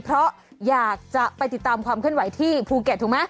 เพราะอยากจะไปติดตามความเคลื่อนไหวที่ภูเก็ตถูกไหม